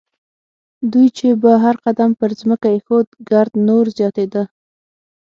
دوی چې به هر قدم پر ځمکه اېښود ګرد نور زیاتېده.